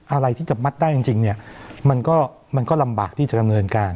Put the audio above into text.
อะไรที่จะมัดได้จริงเนี่ยมันก็ลำบากที่จะดำเนินการ